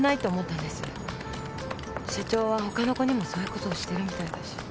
社長はほかの子にもそういうことをしてるみたいだし。